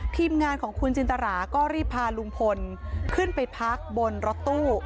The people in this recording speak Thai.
ทีมงานของคุณจินตราก็รีบพาลุงพลขึ้นไปพักบนรถตู้